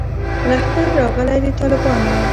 لښکر راغلی د طالبانو